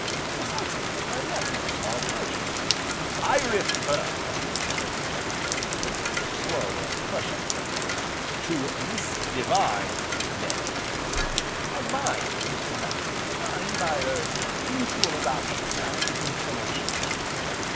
"Precisely, my nephew, Small Porges." "I refer," said Mr. Cassilis, with slow, and crushing emphasis, "to Miss Devine's nephew " "And mine, Mr. Cassilis, mine by er mutual adoption, and inclination."